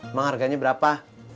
emang harganya berapa